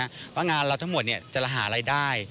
เพราะงานเราทั้งหมดจะหารายได้